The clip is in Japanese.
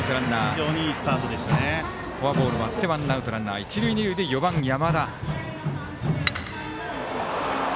フォアボールもあってワンアウトランナー、一塁二塁で４番、山田。